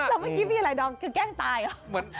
แล้วเมื่อกี้มีอะไรดอมคือแกล้งตายเหรอ